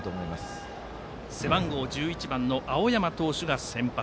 背番号１１番の青山投手が先発。